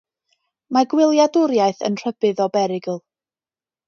Mae gwyliadwriaeth yn rhybudd o berygl.